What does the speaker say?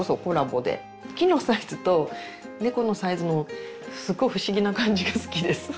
木のサイズと猫のサイズのすっごい不思議な感じが好きです。